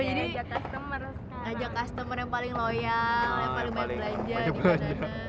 jadi ajak customer yang paling loyal yang paling banyak belanja